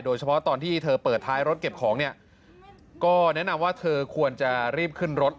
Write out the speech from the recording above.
โดยเฉพาะตอนที่เธอเปิดท้ายรถเก็บของเนี่ยก็แนะนำว่าเธอควรจะรีบขึ้นรถ